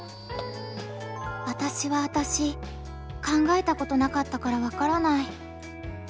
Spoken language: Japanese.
考えたことなかったからわからない。